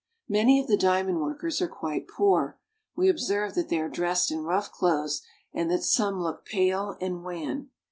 Many of the diamond workers are quite poor. We observe that they are dressed in rough clothes, and that some look pale and wan.